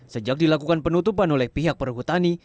sejak dilakukan penutupan oleh pihak perhutani